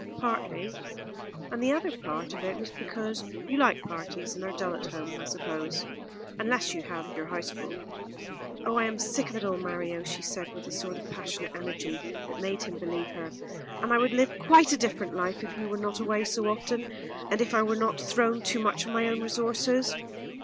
"Partly, and the other part of it was because you like parties and are dull at home, I suppose, unless you have your house full." "Oh, I am sick of it all, Mario," she said, with a sort of passionate energy that made him believe her, "and I would live quite a different life if you were not away so often, and if I were not thrown too much on my own resources."